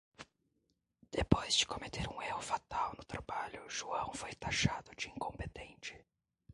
Depois de cometer um erro fatal no trabalho, João foi tachado de incompetente.